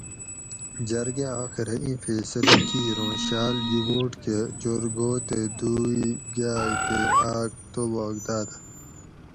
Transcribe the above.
جرگا آخیرہ ایں فیصلہ کیر اوں شاۤل جوبوٹ کہ چور گو تے دو ای گائے تے آک توباک دادہ